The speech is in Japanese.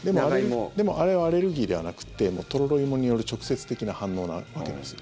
でもあれはアレルギーではなくてとろろ芋による直接的な反応なわけです。